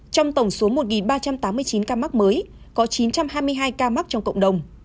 trong tổng số một ba trăm tám mươi chín ca mắc mới có chín trăm hai mươi hai ca mắc trong cộng đồng